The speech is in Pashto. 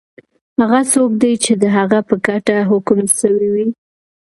هغه څوک دی چی د هغه په ګټه حکم سوی وی؟